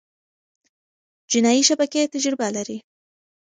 جنایي شبکې تجربه لري.